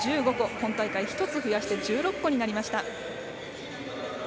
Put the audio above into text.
今大会、１つ増やして１６個になりました。